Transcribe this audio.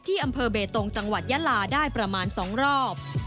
อำเภอเบตงจังหวัดยาลาได้ประมาณ๒รอบ